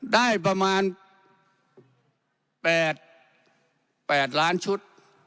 ได้ประมาณ๘ล้านชุด